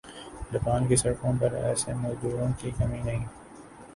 Japan کی سڑکوں پر ایسے مزدوروں کی کمی نہیں